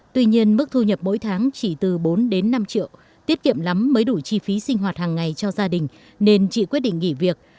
tuy nhiên mức thu nhập mỗi tháng chỉ từ bốn đến năm triệu tiết kiệm lắm mới đủ chi phí sinh hoạt hàng ngày cho gia đình nên chị quyết định nghỉ việc